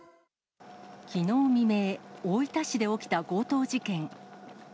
きのう未明、大分市で起きた強盗事件。